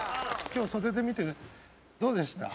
今日袖で見ててどうでした？